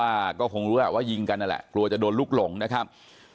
อายุ๑๐ปีนะฮะเขาบอกว่าเขาก็เห็นถูกยิงนะครับ